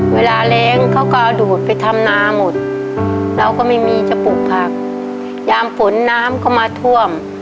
แรงเขาก็เอาดูดไปทำนาหมดเราก็ไม่มีจะปลูกผักยามฝนน้ำก็มาท่วม